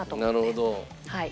なるほど。